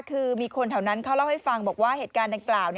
คือมีคนแถวนั้นเขาเล่าให้ฟังบอกว่าเหตุการณ์ดังกล่าว